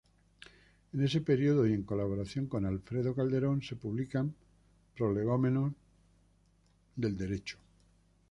En ese periodo y en colaboración con Alfredo Calderón, se publican "Prolegómenos del derecho.